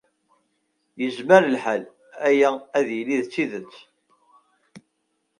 Yezmer lḥal aya ad yili d tidet.